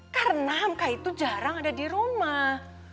karena hamka itu jarang ada di rumah